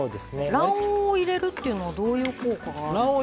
卵黄を入れるっていうのはどういう効果があるんですか？